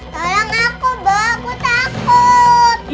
tolong aku bu aku takut